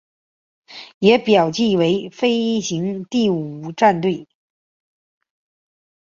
也表记为飞行第五战队。